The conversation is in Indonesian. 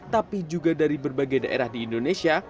tapi juga dari berbagai daerah di indonesia